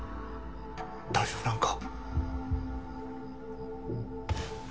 大丈夫なんか？